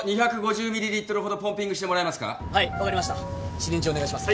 シリンジお願いします。